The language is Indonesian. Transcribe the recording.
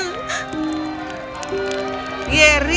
kau tidak bisa menanggapi diri